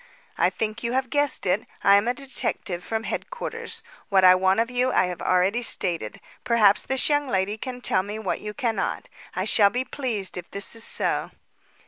"I think you have guessed it. I am a detective from Headquarters. What I want of you I have already stated. Perhaps this young lady can tell me what you cannot. I shall be pleased if this is so."